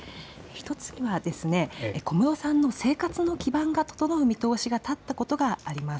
１つは小室さんの生活の基盤が整う見通しが立ったことがあります。